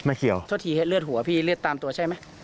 เกี่ยวเจ้าทีเลือดหัวพี่เลือดตามตัวใช่ไหม